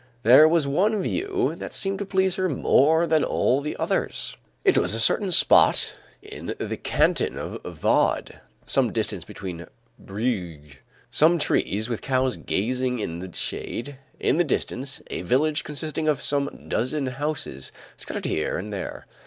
There was one view that seemed to please her more than all the others; it was a certain spot in the canton of Vaud, some distance from Brigues; some trees with cows grazing in the shade; in the distance, a village consisting of some dozen houses, scattered here and there.